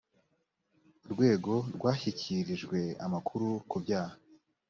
urwego rwashyikirijwe amakuru ku byaha